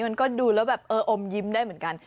มันก็ดูแล้วแบบเอออมยิ้มได้เหมือนกัน